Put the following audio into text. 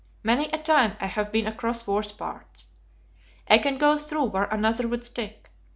Many a time I have been across worse parts. I can go through where another would stick.